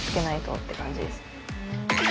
って感じですね。